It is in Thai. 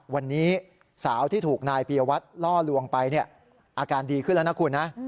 วันนี้สาวที่ถูกนายปียวัตรล่อลวงไปเนี่ยอาการดีขึ้นแล้วนะคุณนะ